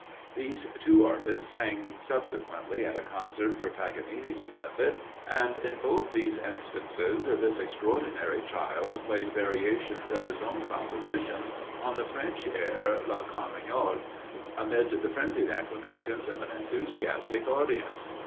These two artists sang subsequently at a concert for Paganini's benefit, and in both these instances this extraordinary child played variations of his own composition on the French air, "la Carmagnole," amid the frenzied acclamations of an enthusiastic audience.